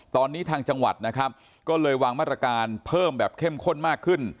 ตอนนี้ทางจังหวัดนะครับก็เลยวางมาตรการเพิ่มแบบเข้มข้นมากขึ้น